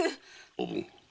おぶん。